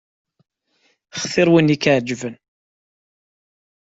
Xtir win i k-iɛeǧben.